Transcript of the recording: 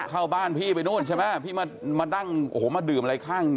เข้าบ้านพี่ไปนู่นใช่ไหมพี่มาดื่มอะไรข้าง